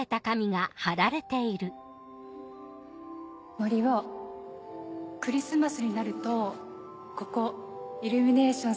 森生クリスマスになるとここイルミネーション